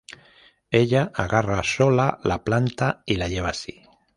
Ella agarra sola la planta y la lleva asi.